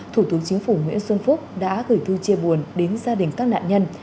thủ tướng chính phủ nguyễn xuân phúc đã gửi thư chia buồn đến gia đình các nạn nhân